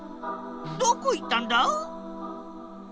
どこ行ったんだ？